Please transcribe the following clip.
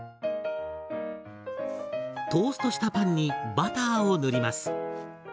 トーストしたパンにバターを塗ります。